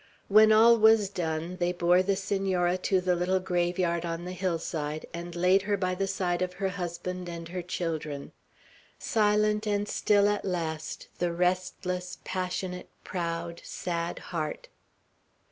When all was done, they bore the Senora to the little graveyard on the hillside, and laid her by the side of her husband and her children; silent and still at last, the restless, passionate, proud, sad heart!